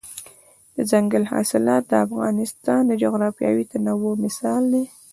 دځنګل حاصلات د افغانستان د جغرافیوي تنوع مثال دی.